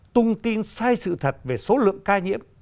tung tin sai sự thật về số lượng ca nhiễm